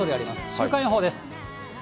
週間予報です。